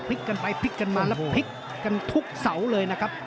กันไปพลิกกันมาแล้วพลิกกันทุกเสาเลยนะครับ